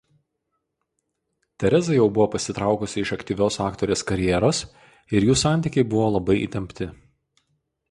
Tereza jau buvo pasitraukusi iš aktyvios aktorės karjeros ir jų santykiai buvo labai įtempti.